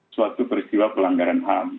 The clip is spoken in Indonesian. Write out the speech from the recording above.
suatu peristiwa pelanggaran ham